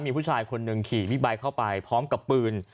มีผู้ชายคนหนึ่งขี่บิ๊กไบท์เข้าไปพร้อมกับปืน